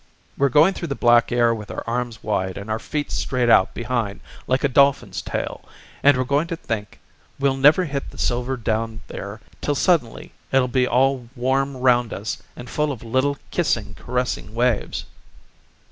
"We're going through the black air with our arms wide and our feet straight out behind like a dolphin's tail, and we're going to think we'll never hit the silver down there till suddenly it'll be all warm round us and full of little kissing, caressing waves."